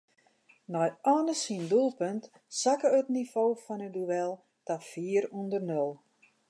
Nei Anne syn doelpunt sakke it nivo fan it duel ta fier ûnder nul.